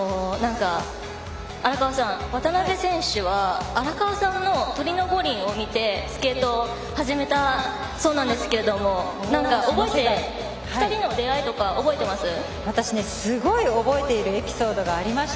荒川さん渡辺選手は荒川さんのトリノ五輪を見てスケートを始めたそうなんですけども２人の出会いとか覚えていますか。